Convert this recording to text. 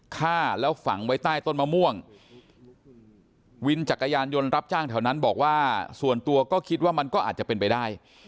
ฆ่าแล้วฝังไว้ใต้ต้นมะม่วงวินจักรยานยนต์รับจ้างแถวนั้นบอกว่าส่วนตัวก็คิดว่ามันก็อาจจะเป็นไปได้